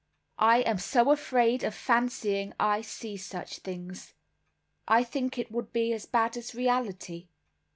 "I am so afraid of fancying I see such things; I think it would be as bad as reality."